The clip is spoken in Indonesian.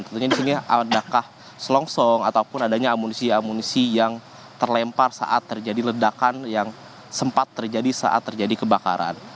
tentunya di sini adakah selongsong ataupun adanya amunisi amunisi yang terlempar saat terjadi ledakan yang sempat terjadi saat terjadi kebakaran